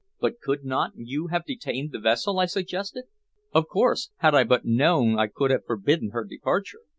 "But could not you have detained the vessel?" I suggested. "Of course, had I but known I could have forbidden her departure.